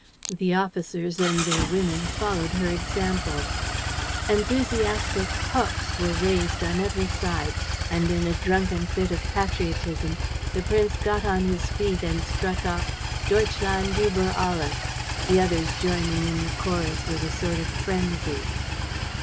The officers and their women followed her example. Enthusiastic Hochs were raised from every side; and, in a drunken fit of patriotism, the prince got on his feet and struck up "Deutschland über Alles," the others joining in the chorus with a sort of frenzy.